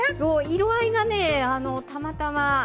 色合いがね、たまたま。